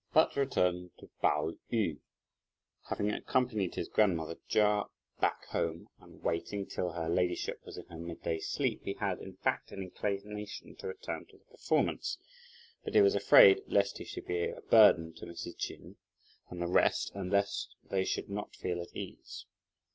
But to return to Pao yü. Having accompanied his grandmother Chia back home, and waited till her ladyship was in her midday sleep, he had in fact an inclination to return to the performance, but he was afraid lest he should be a burden to Mrs. Ch'in and the rest and lest they should not feel at ease.